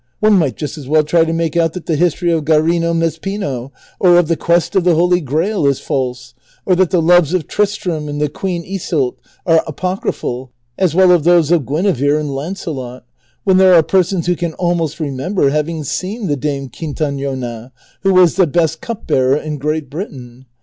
One might just as well try to make out that the history of Guarino Mezquino,^ or of the quest of the Holy Grail, is false, or that the loves of Tristram and the Queen Yseult are apocryphal, as well of those of Guinevere and Lancelot, when there are persons who can almost remember having seen the Dame Quintaiiona, who was the best cup bearer in Great Britain.